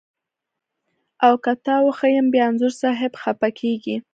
او که تا وښیم بیا انځور صاحب خپه کږي.